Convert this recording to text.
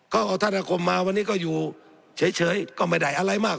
เขาเอาท่านอาคมมาวันนี้ก็อยู่เฉยก็ไม่ได้อะไรมาก